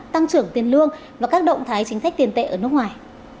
tăng trưởng tiền lương và các động thái chính sách tiền tệ ở nước ngoài